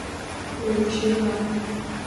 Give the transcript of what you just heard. Léigh sí an leabhar.